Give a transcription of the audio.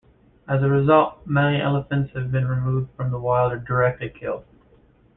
As a result, many elephants have been removed from the wild or directly killed.